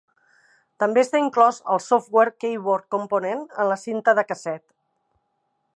També està inclòs el software Keyboard Component en la cinta de casset.